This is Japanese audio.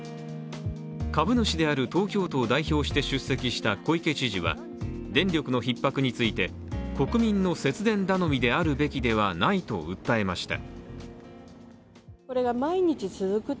株主である東京都を代表して出席した小池知事は電力のひっ迫について、国民の節電頼みであるべきではないと訴えました。